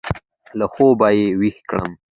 له خوابه يې وېښ کړم.